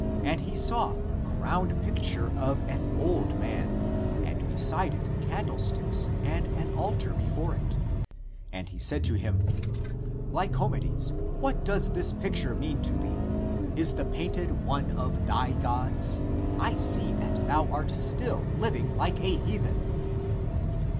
And he saw the crowned picture of an old man, and beside it candlesticks and an altar before it. And he said to him, " Lycomedes, what does this picture mean to thee? Is the painted one of thy gods? I see that thou art still living like a heathen